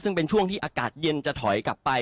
ซึ่งเป็นช่วงที่อากาศเย็นจะถอยกลับไป